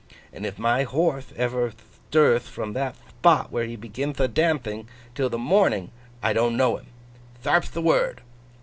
And if my horthe ever thtirth from that thpot where he beginth a danthing, till the morning—I don't know him?—Tharp'th the word!